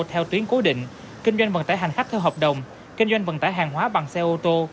theo tuyến cố định kinh doanh vận tải hành khách theo hợp đồng kinh doanh vận tải hàng hóa bằng xe ô tô